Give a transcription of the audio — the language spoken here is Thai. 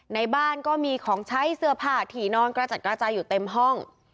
ในบ้านก็มีของใช้เสื้อผ้าถี่นอนกระจัดกระจายอยู่เต็มห้อง